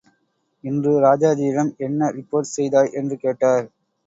இன்று ராஜாஜியிடம் என்ன ரிப்போர்ட் செய்தாய்? என்று கேட்டார்.